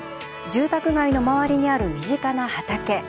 住宅街の周りにある身近な畑。